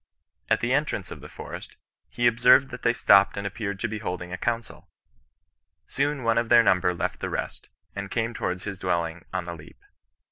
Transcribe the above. At the entrance of the forest, he observed that thej stopped and appeared to be holding a council. Soon one of their number left the rest, and came towards his dwelling on the leap.